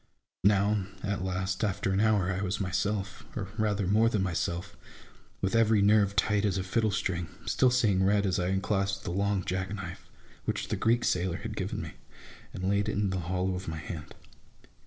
Now, at last, after an hour I was myself, or rather more than myself, with every nerve tight as a fiddle string, still seeing red, as I unclasped the long jack knife, which the Greek sailor had given me, and laid it in the hollow of my hand.